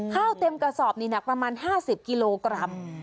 ข้าวเต็มกระสอบนี่หนักประมาณ๕๐กิโลกรัม